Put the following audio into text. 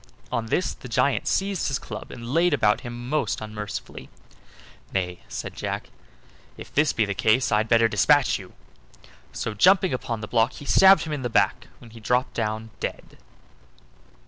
On this the giant seized his club and laid about him most unmercifully. "Nay," said Jack, "if this be the case I'd better dispatch you!" so, jumping upon the block, he stabbed him in the back, when he dropped down dead.